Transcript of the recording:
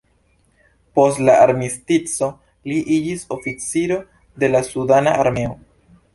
Post la armistico li iĝis oficiro de la sudana armeo.